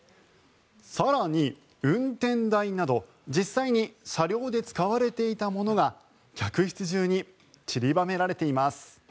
更に、運転台など実際に車両で使われていたものが客室中にちりばめられています。